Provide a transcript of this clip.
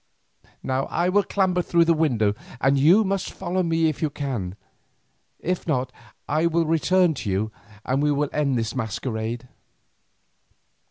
Now I will clamber through the window, and you must follow me if you can, if not I will return to you and we will end this masquerade."